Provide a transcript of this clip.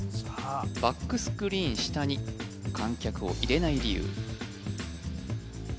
バックスクリーン下に観客を入れない理由